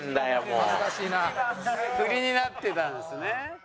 フリになってたんですね。